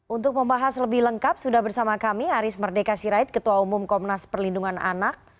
untuk membahas lebih lengkap sudah bersama kami aris merdeka sirait ketua umum komnas perlindungan anak